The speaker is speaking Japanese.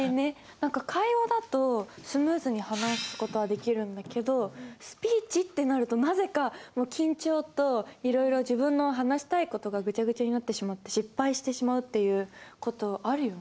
何か会話だとスムーズに話す事はできるんだけどスピーチってなるとなぜか緊張といろいろ自分の話したい事がグチャグチャになってしまって失敗してしまうっていう事あるよね。